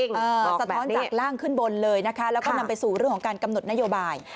สะท้อนจากร่างขึ้นบนเลยนะคะแล้วก็นำไปสู่เรื่องของการกำหนดนโยบาย